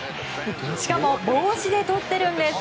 しかも帽子でとってるんです。